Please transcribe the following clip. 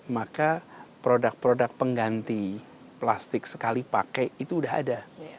maka produk produk pengganti plastik sekali pakai itu sudah ada